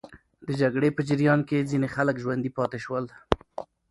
د جګړې په جریان کې ځینې خلک ژوندي پاتې سول.